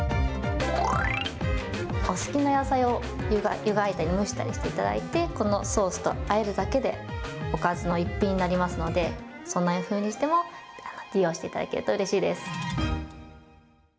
お好きな野菜を湯がいたり蒸したりしていただいて、このソースとあえるだけでおかずのイッピンになりますので、そんなふうにしても、利用していただけるとうれしいです。